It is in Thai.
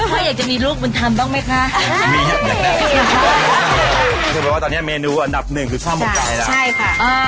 พ่ออยากจะมีลูกมันทำบ้างไหมคะมีครับมีครับคือว่าตอนเนี้ยเมนูอันดับหนึ่งคือช่วงมันไก่แล้วใช่ค่ะอ่า